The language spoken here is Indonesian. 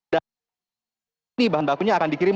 dan ini bahan bakunya akan dikirim